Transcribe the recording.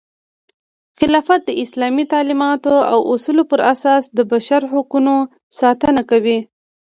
خلافت د اسلامي تعلیماتو او اصولو پراساس د بشر حقونو ساتنه کوي.